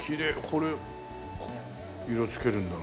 これ色つけるんだ。